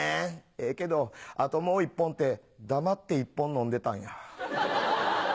ええけど「あともう１本」って黙って１本飲んでたんや。